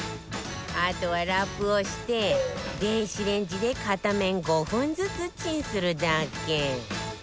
あとはラップをして電子レンジで片面５分ずつチンするだけ